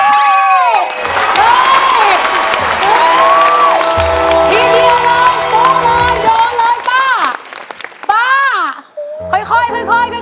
ทีเดียวแล้วโป๊ะเลยโดนเลยป้าป้า